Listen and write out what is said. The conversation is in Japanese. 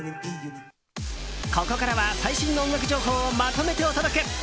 ここからは最新の音楽情報をまとめてお届け！